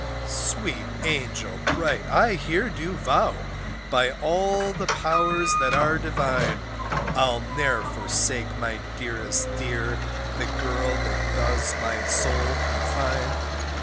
Sweet angel bright, I here do vow, By all the powers that are divine, I'll ne'er forsake my dearest dear, The girl that does my soul confine.